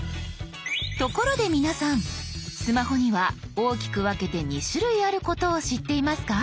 ところで皆さんスマホには大きく分けて２種類あることを知っていますか？